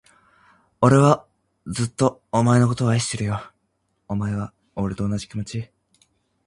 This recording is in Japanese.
俺はずっと、お前のことを愛してるよ。お前は、俺と同じ気持ち？